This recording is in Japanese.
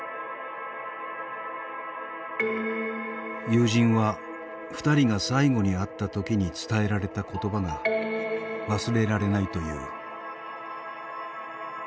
友人は２人が最後に会った時に伝えられた言葉が忘れられないという。